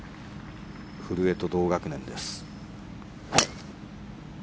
古江と同学年です。